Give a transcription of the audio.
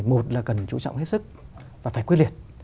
một là cần chú trọng hết sức và phải quyết liệt